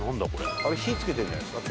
あれ火つけてるんじゃないですか？